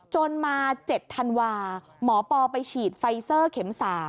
จนมา๗ธันวาหมอปอไปฉีดไฟเซอร์เข็ม๓